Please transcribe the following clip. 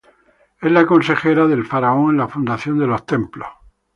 Es la "consejera" del faraón en la fundación de los templos.